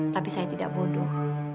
tapi saya tidak bodoh